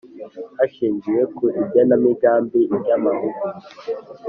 hashingiwe ku igenamigambi ry amahugurwa